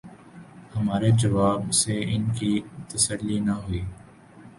ہمارے جواب سے ان کی تسلی نہ ہوئی۔